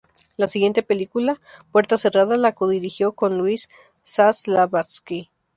La siguiente película, "Puerta cerrada", la codirigió con Luis Saslavsky.